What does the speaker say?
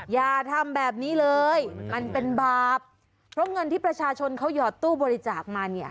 อย่าทำแบบนี้เลยมันเป็นบาปเพราะเงินที่ประชาชนเขาหยอดตู้บริจาคมาเนี่ย